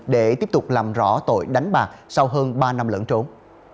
để tiếp tục làm rõ tội đánh bạc sau hơn ba năm lẫn trốn